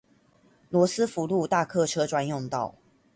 羅斯福路大客車專用道